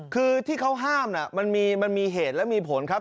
คือที่เขาห้ามมันมีเหตุและมีผลครับ